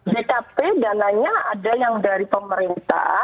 jkp dananya ada yang dari pemerintah